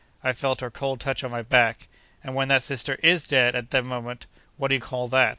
I felt her cold touch on my back!"—and when that sister is dead at the moment—what do you call that?